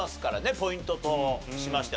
ポイントとしましては。